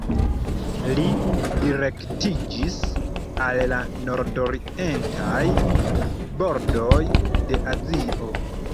Li direktiĝis al la nordorientaj bordoj de Azio.